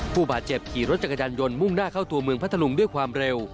ผู้บาดเจ็บขี่รถจักรยานยนต์มุ่งหน้าเข้าตัวเมืองพัทธลุงด้วยความเร็ว